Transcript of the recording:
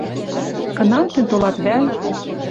Кынам тӹнь толат вӓл?